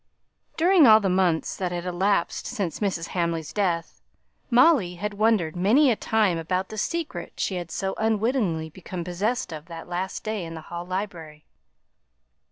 During all the months that had elapsed since Mrs. Hamley's death, Molly had wondered many a time about the secret she had so unwittingly become possessed of that last day in the Hall library.